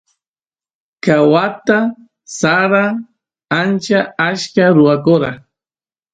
ka wata sara ancha achka ruwakora